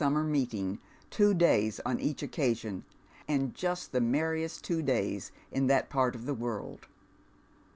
(jff BQmmer meeting, two days on each occasion — and just the mer riest two days in that part of the world.